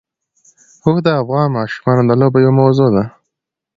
اوښ د افغان ماشومانو د لوبو یوه موضوع ده.